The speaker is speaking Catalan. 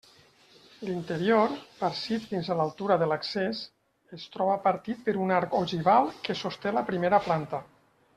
L'interior, farcit fins a l'altura de l'accés, es troba partit per un arc ogival que sosté la primera planta.